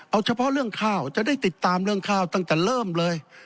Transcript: เอาเฉพาะเรื่องข้าวจะได้ติดตามเรื่องข้าวตั้งแต่เริ่มเลย